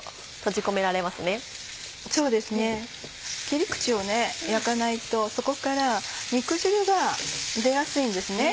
切り口を焼かないとそこから肉汁が出やすいんですね。